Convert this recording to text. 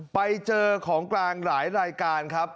ไปเจอของกลางหลายรายการครับ